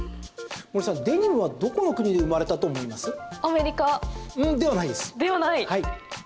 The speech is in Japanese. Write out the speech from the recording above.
森さん、デニムはどこの国で生まれたと思います？ではないです。